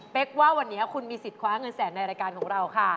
กว่าวันนี้คุณมีสิทธิ์คว้าเงินแสนในรายการของเราค่ะ